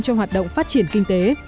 cho hoạt động phát triển kinh tế